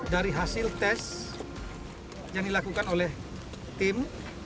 dari hasil tes yang dilakukan oleh tim